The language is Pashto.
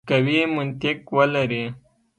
قوي منطق ولري.